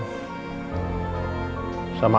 kamu gak sejahat ini